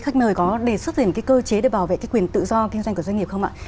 khách mời có đề xuất gì một cơ chế để bảo vệ quyền tự do kinh doanh của doanh nghiệp không ạ